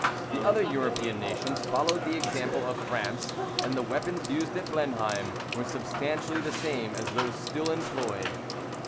The other European nations followed the example of France, and the weapons used at Blenheim were substantially the same as those still employed.